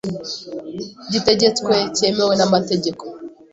gitegetswe cyemewe n amategeko